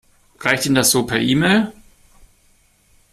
Reicht Ihnen das so per E-Mail?